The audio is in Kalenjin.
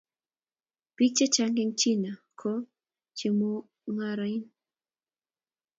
Biik chechang eng China ko chemung'arin